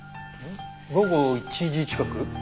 午後１時近く。